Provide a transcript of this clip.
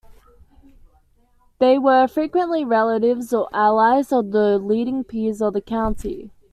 They were frequently relatives or allies of the leading peers of the county.